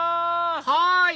はい！